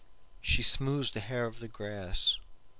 She smooths the hair of the grass.